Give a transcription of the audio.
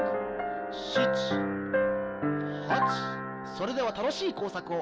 それではたのしいこうさくを！